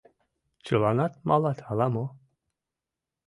— Чыланат малат ала-мо?»